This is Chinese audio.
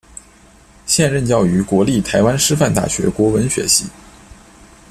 现任教于国立台湾师范大学国文学系。